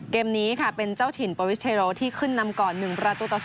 เกมนี้ค่ะเป็นเจ้าถิ่นโปรวิสเทโรที่ขึ้นนำก่อน๑ประตูต่อ๒